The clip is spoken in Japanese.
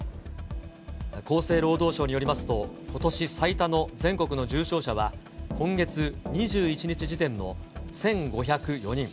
厚生労働省によりますと、ことし最多の全国の重症者は今月２１日時点の１５０４人。